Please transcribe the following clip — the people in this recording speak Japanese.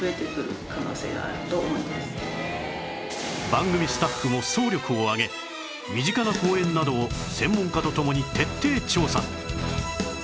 番組スタッフも総力を挙げ身近な公園などを専門家と共に徹底調査